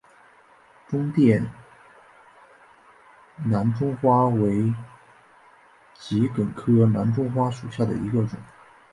中甸蓝钟花为桔梗科蓝钟花属下的一个种。